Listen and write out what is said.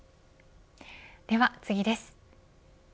では次です。